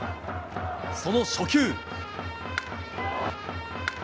その初球。